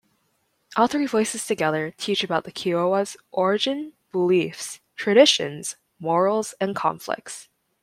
All three voices together teach about the Kiowa's origin, beliefs, traditions, morals, and conflicts.